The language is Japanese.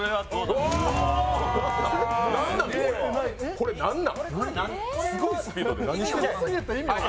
これ、何なん？